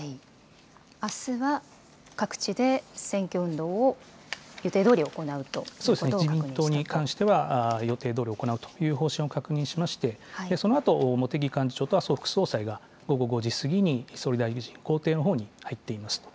あすは、各地で選挙運動を予定どおり行うということを確認しそうですね、自民党に関しては予定どおり行うという方針を確認しまして、そのあと茂木幹事長と麻生副総裁が、午後５時過ぎに総理大臣公邸のほうに入っています。